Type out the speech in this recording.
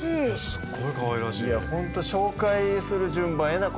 すっごいかわいらしい。